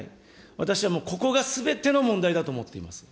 私はもう、ここがすべての問題だと思っています。